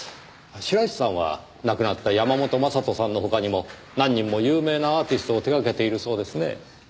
白石さんは亡くなった山本将人さんの他にも何人も有名なアーティストを手掛けているそうですねぇ。